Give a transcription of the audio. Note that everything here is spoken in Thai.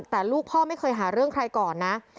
แต่ลูกพ่อไม่เคยหาเรื่องใครก่อนนะ